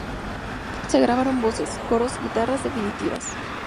Se grabaron voces, coros, guitarras definitivas.